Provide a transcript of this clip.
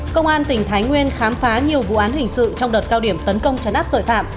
công an tỉnh thái nguyên khám phá nhiều vụ án hình sự trong đợt cao điểm tấn công chấn áp tội phạm